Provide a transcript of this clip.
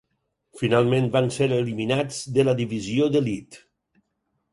Finalment, van ser eliminats de la divisió d'elit.